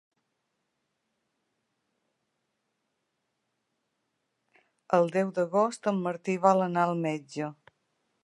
El deu d'agost en Martí vol anar al metge.